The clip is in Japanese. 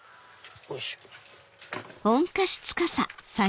おいしょ。